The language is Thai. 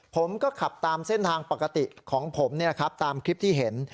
ผมก็ขับตามเส้นทางปกติของผมตามคลิปที่เห็น